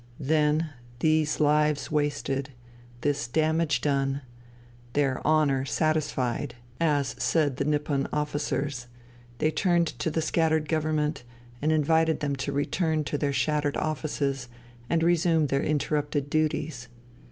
Then, these lives wasted, this damage done, " their honour satisfied," as said the Nippon officers, they turned to the scattered government and invited them to return to their shattered offices and resume their interrupted duties.